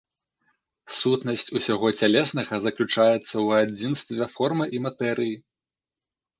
Сутнасць усяго цялеснага заключаецца ў адзінстве формы і матэрыі.